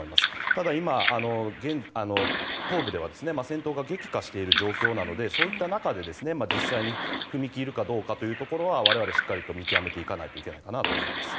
ただ、今、東部では戦闘が激化している状況なのでそういった中で実際に踏み切るかどうかというところは我々、しっかり見極めていかないといけないかなと思います。